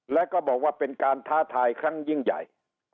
แล้วก็บอกว่าเป็นการท้าทายครั้งยิ่งใหญ่